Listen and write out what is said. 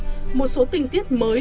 và phát sinh một số tình tiết mới